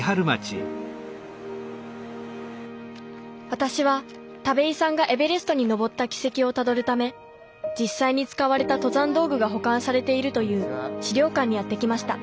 私は田部井さんがエベレストに登った軌跡をたどるため実際に使われた登山道具が保管されているという資料館にやって来ました。